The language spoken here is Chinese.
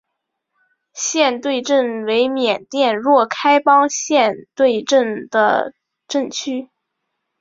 实兑镇为缅甸若开邦实兑县的镇区。